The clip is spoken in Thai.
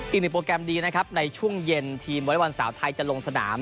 อีกหนึ่งโปรแกรมดีนะครับในช่วงเย็นทีมวอเล็กบอลสาวไทยจะลงสนาม